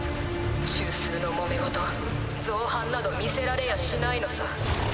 中枢の揉め事造反など見せられやしないのさ。